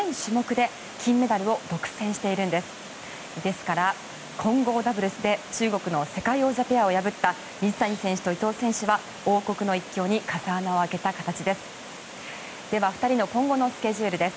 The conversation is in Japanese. ですから、混合ダブルスで中国の世界王者ペアを破った水谷選手と伊藤選手は王国の一強に風穴を開けた形です。